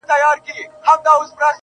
يو يمه خو~